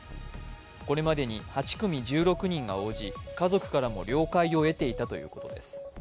これまでに８組１６人が応じ、家族からも了解を得えていたということです。